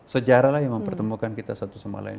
sejarah lah yang mempertemukan kita satu sama lain